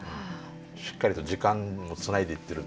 しっかりと時間もつないでいってるっていう。